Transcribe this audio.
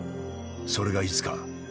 それがいつか。